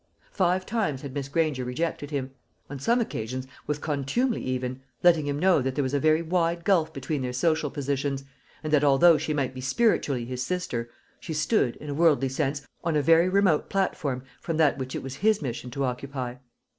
Five times had Miss Granger rejected him; on some occasions with contumely even, letting him know that there was a very wide gulf between their social positions, and that although she might be spiritually his sister, she stood, in a worldly sense, on a very remote platform from that which it was his mission to occupy.